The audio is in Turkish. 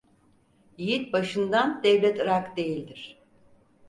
Yiğit başından devlet ırak değildir.